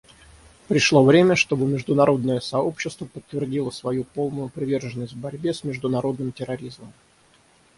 Пришло время, чтобы международное сообщество подтвердило свою полную приверженность борьбе с международным терроризмом.